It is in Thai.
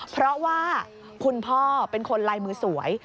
เพราะว่าคุณพ่อเป็นคนลายมือสวย